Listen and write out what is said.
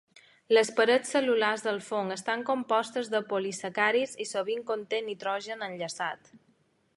Les parets cel·lulars del fong estan compostes de polisacàrids i sovint conté nitrogen enllaçat.